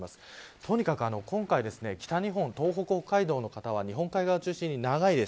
とにかく今回北日本、東北、北海道の方は日本海側を中心に長いです。